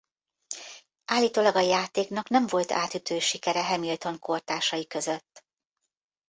Állítólag a játéknak nem volt átütő sikere Hamilton kortársai között.